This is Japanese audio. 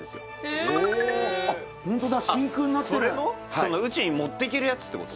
その宇宙に持っていけるやつってこと？